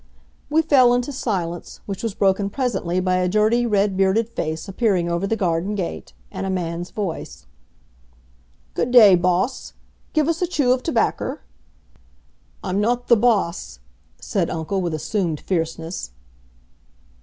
We fell into silence, which was broken presently by a dirty red bearded face appearing over the garden gate, and a man's voice: "Good day, boss! Give us a chew of tobaccer?" "I'm not the boss," said uncle with assumed fierceness.